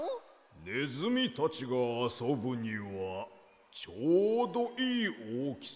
ねずみたちがあそぶにはちょうどいいおおきさだからな。